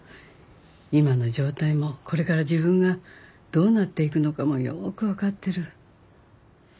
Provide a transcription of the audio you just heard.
今の状態もこれから自分がどうなっていくのかもよく分かってる。